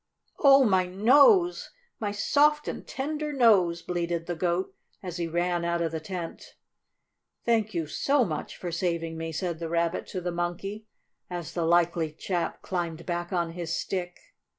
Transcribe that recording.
"Oh, my nose! My soft and tender nose!" bleated the Goat, as he ran out of the tent. "Thank you, so much, for saving me," said the Rabbit to the Monkey, as the likely chap climbed back on his stick.